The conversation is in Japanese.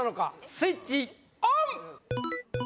スイッチオン！